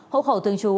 hộ khẩu thường chú